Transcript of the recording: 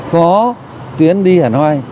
có tuyến đi hà nội